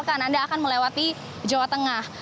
anda akan melewati jawa tengah